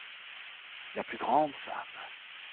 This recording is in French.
La plus grande femme.